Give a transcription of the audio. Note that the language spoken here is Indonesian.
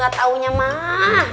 gak tau nya mah